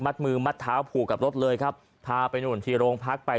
มือมัดเท้าผูกกับรถเลยครับพาไปนู่นที่โรงพักไป